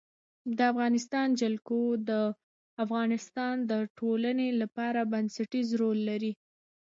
د افغانستان جلکو د افغانستان د ټولنې لپاره بنسټيز رول لري.